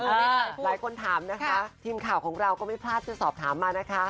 หลายคนถามนะคะทีมข่าวของเราก็ไม่พลาดจะสอบถามมานะคะ